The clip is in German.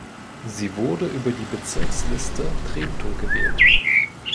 Sie wurde über die Bezirksliste Treptow gewählt.